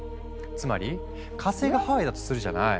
つまり火星がハワイだとするじゃない？